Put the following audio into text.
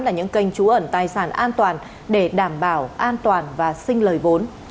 là những kênh trú ẩn tài sản an toàn để đảm bảo an toàn và sinh lời vốn